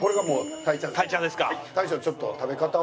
大将ちょっと食べ方を。